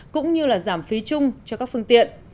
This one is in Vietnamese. cũng như là giảm phí chung cho các phương tiện